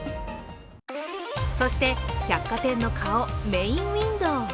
そして、百貨店の顔メインウインドー。